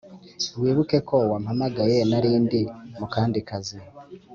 wibukeko wampamagaye narindi mukandi kazi